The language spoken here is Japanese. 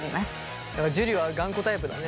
だから樹は頑固タイプだね。